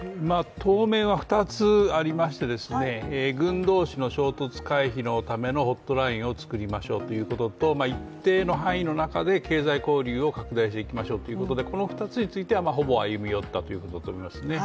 当面は２つありまして、軍同士の衝突回避のためのホットラインを作りましょうということと一定の範囲の中で経済交流を拡大していきましょうということでこの２つについてはほぼ歩み寄ったということだと思いますね。